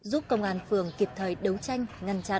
giúp công an phường kịp thời đấu tranh ngăn chặn